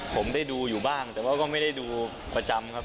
ผมได้ดูอยู่บ้างแต่ว่าก็ไม่ได้ดูประจำครับ